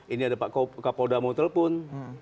ini ada pak kapolda mau telpon